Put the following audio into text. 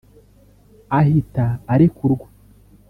ahita arekurwa